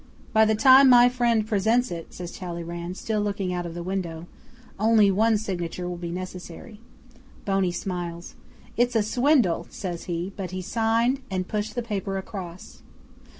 '"By the time my friend presents it," says Talleyrand, still looking out of window, "only one signature will be necessary." 'Boney smiles. "It's a swindle," says he, but he signed and pushed the paper across.